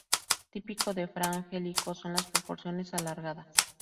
Típico de Fra Angelico son las proporciones alargadas.